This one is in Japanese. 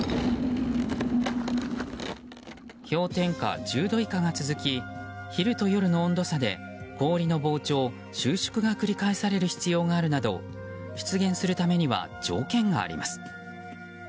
氷点下１０度以下が続き昼と夜の温度差で氷の膨張、収縮が繰り返される必要があるなど出現するためには条件があります。